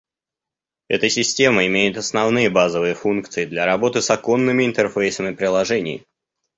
Эта система имеет основные базовые функции для работы с оконными интерфейсами приложений